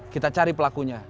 kita cari pelakunya